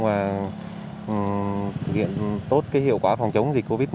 và thực hiện tốt hiệu quả phòng chống dịch covid một mươi chín